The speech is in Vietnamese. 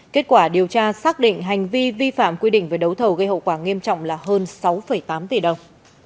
kết quả điều tra xác định hành vi vi phạm quy định về đấu thầu gây hậu quả nghiêm trọng là hơn sáu tám tỷ đồng